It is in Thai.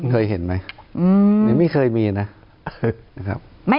เคยเห็นไหมไม่เคยมีนะ